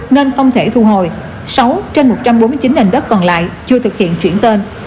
nên không thể thu hồi sáu trên một trăm bốn mươi chín nền đất còn lại chưa thực hiện chuyển tên